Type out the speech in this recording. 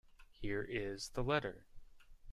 Here is the letter.